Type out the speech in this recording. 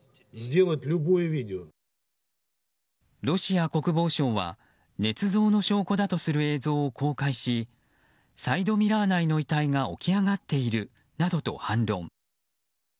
ロシア国防省は、ねつ造の証拠だとする映像を公開しサイドミラー内の遺体が起き上がっているなどと反論。